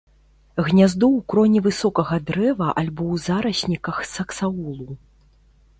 Гняздо ў кроне высокага дрэва альбо ў зарасніках саксаулу.